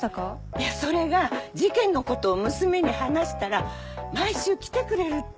いやそれが事件のことを娘に話したら毎週来てくれるって。